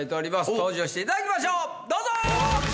登場していただきましょうどうぞ！